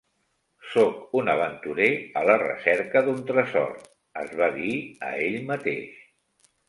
"Sóc un aventurer a la recerca d'un tresor", es va dir a ell mateix.